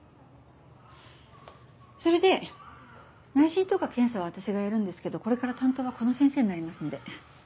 それで内診とか検査は私がやるんですけどこれから担当はこの先生になりますので。